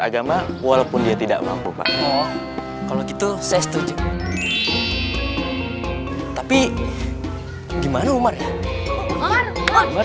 agama walaupun dia tidak mampu pak kalau gitu saya setuju tapi gimana umar oh ini dia umar